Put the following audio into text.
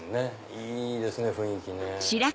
いいですね雰囲気。